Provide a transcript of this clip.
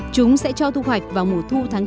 chúng sẽ cho thu hoạch vào mùa thu tháng chín một mươi